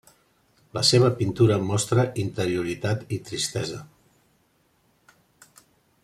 La seva pintura mostra interioritat i tristesa.